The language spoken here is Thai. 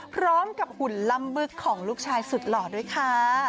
หุ่นลำบึกของลูกชายสุดหล่อด้วยค่ะ